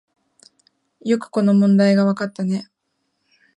よくこの問題がわかったね